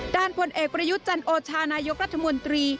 ด้านพลเอกประยุจรรย์โอชานายกรัฐมนตรี